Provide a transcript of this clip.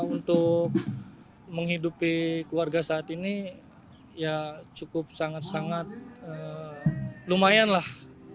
untuk menghidupi keluarga saat ini ya cukup sangat sangat lumayan lah